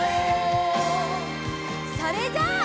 それじゃあ。